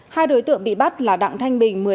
hai đối tượng bị bắt là đặng thanh bình